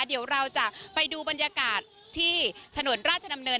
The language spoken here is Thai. เดี๋ยวเราจะไปดูบรรยากาศที่ถนนราชดำเนิน